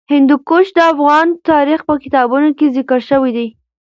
هندوکش د افغان تاریخ په کتابونو کې ذکر شوی دي.